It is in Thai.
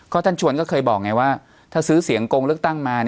ท่านชวนก็เคยบอกไงว่าถ้าซื้อเสียงโกงเลือกตั้งมา